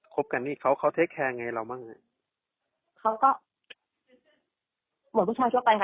บกันนี่เขาเขาเทคแคร์ไงเราบ้างฮะเขาก็เหมือนผู้ชายทั่วไปค่ะ